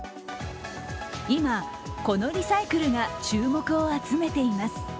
今、このリサイクルが注目を集めています。